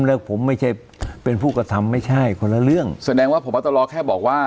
แล้วผมไม่ใช่เป็นผู้กระทำไม่ใช่คนละเรื่องแสดงว่าพบตรแค่บอกว่า